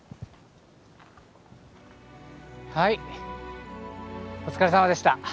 はいお疲れさまでした。